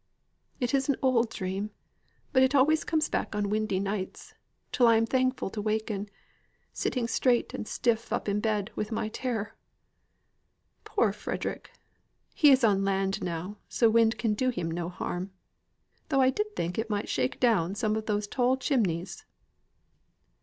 It is an old dream, but it always comes back on windy nights, till I am thankful to waken, sitting straight and stiff up in bed with my terror. Poor Frederick! He is on land now, so wind can do him no harm. Though I did think it might shake down some of those tall chimneys."